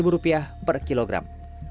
lima belas rupiah per kilogram